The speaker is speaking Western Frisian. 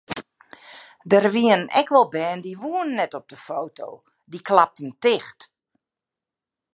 Der wienen ek wol bern dy woenen net op de foto, dy klapten ticht.